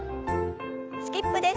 スキップです。